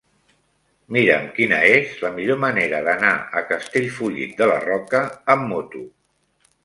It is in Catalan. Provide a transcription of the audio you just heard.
Mira'm quina és la millor manera d'anar a Castellfollit de la Roca amb moto.